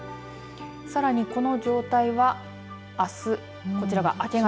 さらに、この状態はあすこちらは明け方。